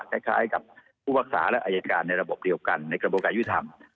คล้ายกับผู้พักษาและอายการในระบบเดียวกันในกระบวนการยุทธรรม